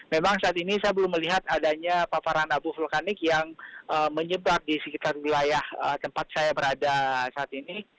memang saat ini saya belum melihat adanya paparan abu vulkanik yang menyebar di sekitar wilayah tempat saya berada saat ini